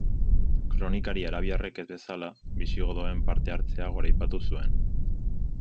Kronikari arabiarrek ez bezala, bisigodoen parte-hartzea goraipatu zuen.